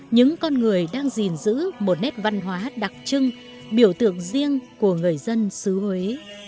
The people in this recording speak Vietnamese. những con người đang gìn giữ một nét văn hóa đặc trưng biểu tượng riêng của người dân xứ huế